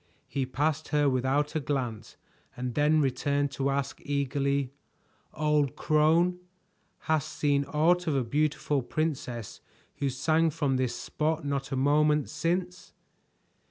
He passed her without a glance and then returned to ask eagerly: "Old crone, hast seen aught of a beautiful princess who sang from this spot not a moment since?"